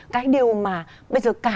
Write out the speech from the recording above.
cái điều mà bây giờ cả